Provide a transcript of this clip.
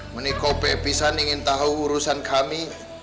menikope pisan ingin tahu urusan kami